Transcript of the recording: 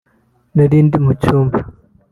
nari ndi mu cyumba